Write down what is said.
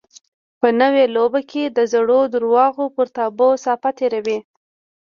په نوې لوبه کې د زړو درواغو پر تابلو صافه تېروي.